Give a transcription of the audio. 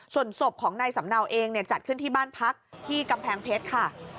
ส่วนศพของนายสำเนาเองจัดขึ้นที่บ้านพักที่กำแพงเพชรค่ะ